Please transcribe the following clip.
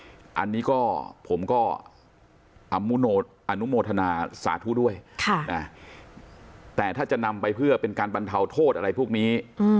อันนี้ก็ผมก็อนุโมทนาสาธุด้วยแต่ถ้าจะนำไปเพื่อเป็นการบรรเทาโทษอะไรพวกนี้